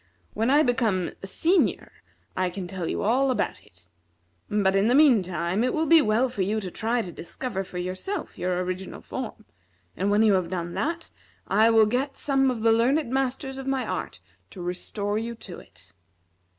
When I become a senior I can tell you all about it. But, in the meantime, it will be well for you to try to discover for yourself your original form, and when you have done that, I will get some of the learned masters of my art to restore you to it.